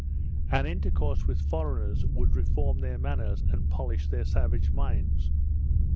An intercourse with foreigners would reform their manners, and polish their savage minds.